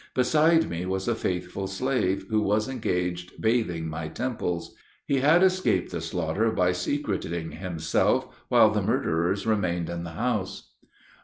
Beside me was a faithful slave, who was engaged bathing my temples. He had escaped the slaughter by secreting himself while the murderers remained in the house."